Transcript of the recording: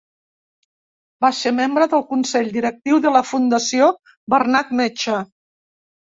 Va ser membre del consell directiu de la Fundació Bernat Metge.